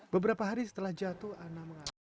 beberapa hari setelah jatuh ana mengaku